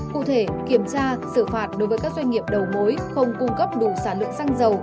cụ thể kiểm tra xử phạt đối với các doanh nghiệp đầu mối không cung cấp đủ sản lượng xăng dầu